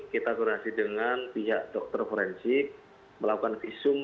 kita koordinasi dengan pihak dokter forensik melakukan visum